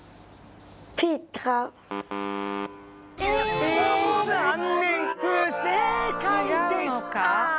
残念不正解でした。